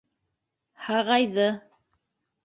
Һағайҙы.